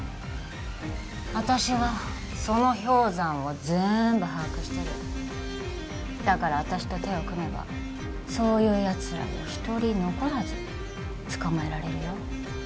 私はその氷山を全部把握してるだから私と手を組めばそういうやつらを一人残らず捕まえられるよ